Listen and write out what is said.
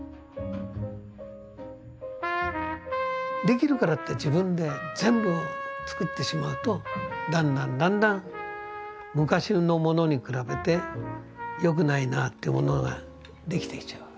できるからって自分で全部作ってしまうとだんだんだんだん昔のものに比べて良くないなってものができてきちゃう。